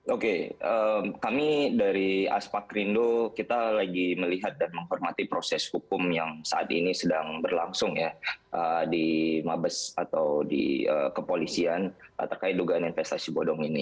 oke kami dari aspak rindo kita lagi melihat dan menghormati proses hukum yang saat ini sedang berlangsung ya di mabes atau di kepolisian terkait dugaan investasi bodong ini